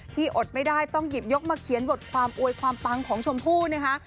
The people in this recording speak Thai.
อดไม่ได้ต้องหยิบยกมาเขียนบทความอวยความปังของชมพู่นะคะ